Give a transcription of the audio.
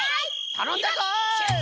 たのんだぞい。